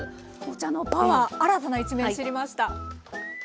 お茶のパワー新たな一面知りました。